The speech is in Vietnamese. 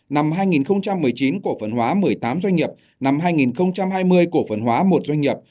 năm hai nghìn một mươi chín cổ phân hóa một mươi tám doanh nghiệp năm hai nghìn hai mươi cổ phần hóa một doanh nghiệp